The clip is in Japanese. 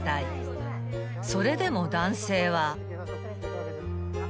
［それでも男性は］